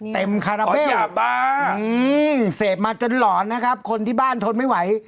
คาราบาลยาบ้าเสพมาจนหลอนนะครับคนที่บ้านทนไม่ไหว